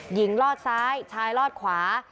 ลอดซ้ายชายลอดขวา